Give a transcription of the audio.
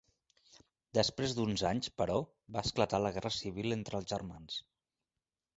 Després d'uns anys, però, va esclatar la guerra civil entre els germans.